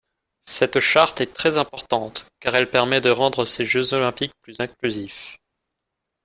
Cette charte est très importante, car elle permet de rendre ces Jeux olympiques plus inclusifs.